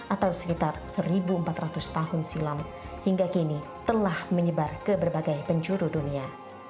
atau sekitar satu empat ratus tahun silam hingga kini telah menyebar ke berbagai penjuru dunia